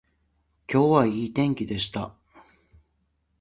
今日はいい天気でした